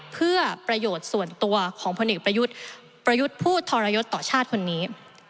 เพื่อประโยชน์ส่วนตัวของพลเอกประยุทธ์ประยุทธ์พูดทรยศต่อชาติคนนี้